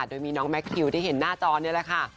โดยมีน้องแมคทิวที่เห็นหน้าจอนี่แหละค่ะ